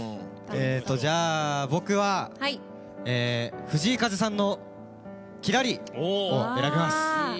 じゃあ、僕は、藤井風さんの「きらり」を選びます。